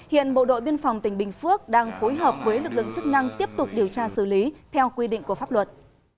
hiện bộ đội biên phòng tỉnh bình phước đang phối hợp với lực lượng chức năng tiếp tục điều tra xử lý theo quy định của pháp luật